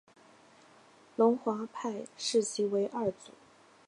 龙华派视其为二祖。